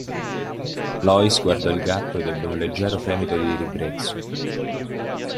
Lois guardò il gatto ed ebbe un leggero fremito di ribrezzo.